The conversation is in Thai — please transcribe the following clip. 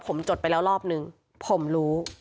ผมจดไปแล้วรอบนึงผมรู้